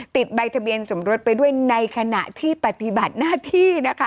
ติดใบทะเบียนสมรสไปด้วยในขณะที่ปฏิบัติหน้าที่นะคะ